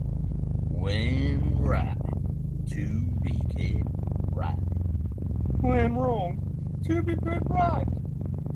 When right, to be kept right; when wrong, to be put right.